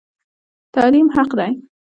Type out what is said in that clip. تعلیم حق دی